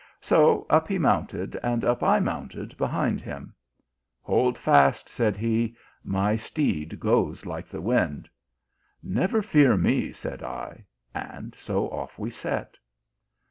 So up he mounted, and up I mounted behind him. " Hold fast, said he, my steed goes like the wind. " Never fear me, said I, and so off we set.